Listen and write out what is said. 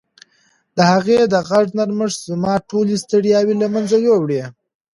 د هغې د غږ نرمښت زما ټولې ستړیاوې له منځه یووړې.